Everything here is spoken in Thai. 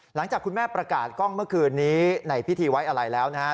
หลังจากคุณแม่ประกาศกล้องเมื่อคืนนี้ในพิธีไว้อะไรแล้วนะฮะ